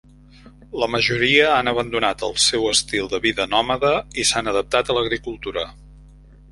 La majoria han abandonat el seu estil de vida nòmada i s'han adaptat a l'agricultura.